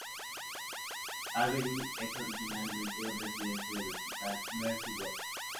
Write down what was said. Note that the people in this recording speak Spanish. Avery es originalmente un residente del Hospital Mercy West.